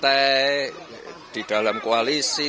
ataupun di dalam kualisi ya